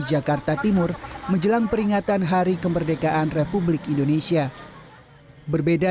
jakarta timur menjelang peringatan hari kemerdekaan republik indonesia berbeda